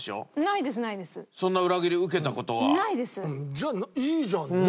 じゃあいいじゃんね？